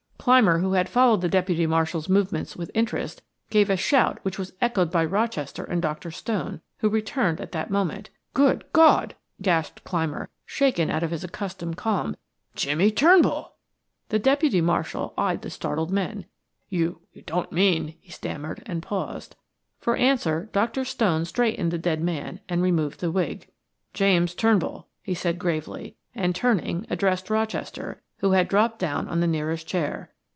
Clymer, who had followed the deputy marshal's movements with interest, gave a shout which was echoed by Rochester and Dr. Stone, who returned at that moment. "Good God!" gasped Clymer, shaken out of his accustomed calm. "Jimmie Turnbull!" The deputy marshal eyed the startled men. "You don't mean " he stammered, and paused. For answer Dr. Stone straightened the dead man and removed the wig. "James Turnbull," he said gravely, and turning, addressed Rochester, who had dropped down on the nearest chair.